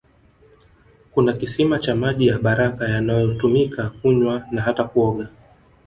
Kuna kisima cha maji ya baraka yanayotumika kunywa na hata kuoga